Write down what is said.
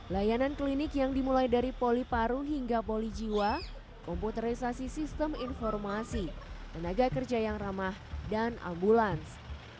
layanan klinik yang dimulai dari poli paru hingga poli jiwa komputerisasi sistem informasi tenaga kerja yang ramah dan ambulans